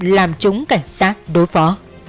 làm chúng cảnh sát đối phó